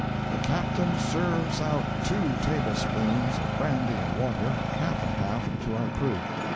'The captain serves out two tablespoonfuls of brandy and water half and half to our crew.'